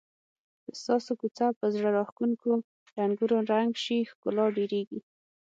که ستاسو کوڅه په زړه راښکونکو رنګونو رنګ شي ښکلا ډېریږي.